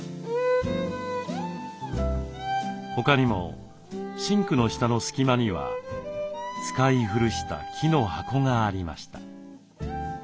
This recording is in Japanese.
他にもシンクの下の隙間には使い古した木の箱がありました。